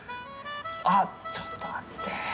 あっちょっと待って。